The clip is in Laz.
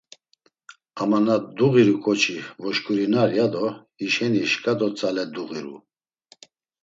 Ama na duğiru ǩoçi voşǩurinar, ya do hişeni şǩa do tzale duğiru.